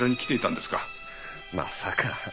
まさか。